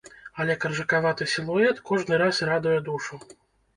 Але каржакаваты сілуэт кожны раз радуе душу.